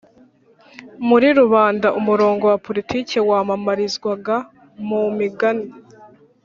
muri rubanda, umurongo wa politiki wamamarizwaga mu migani